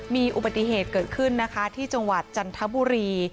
มีอุบัติเหตุเกิดขึ้นนะคะที่จังหวัดจันทบุรี